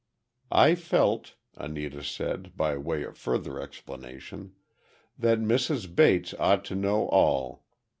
"I felt," Anita said, by way of further explanation, "that Mrs. Bates ought to know all.